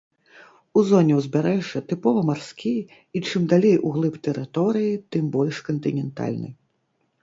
У зоне ўзбярэжжа тыпова марскі, і чым далей углыб тэрыторыі, тым больш кантынентальны.